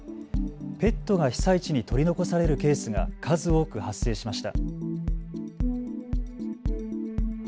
ペットが被災地に取り残されるケースが数多く発生しました。